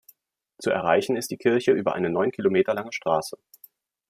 Zu erreichen ist die Kirche über eine neun Kilometer lange Straße.